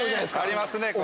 ありますね！